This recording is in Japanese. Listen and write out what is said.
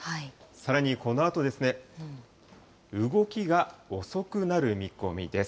さらにこのあと、動きが遅くなる見込みです。